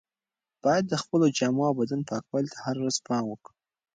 باید د خپلو جامو او بدن پاکوالي ته هره ورځ پام وکړو.